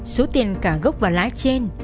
số tiền cả gốc và lái trên